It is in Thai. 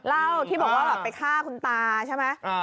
เล่าที่บอกว่าแบบไปฆ่าคุณตาใช่ไหม